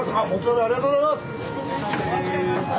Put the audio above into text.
ありがとうございます。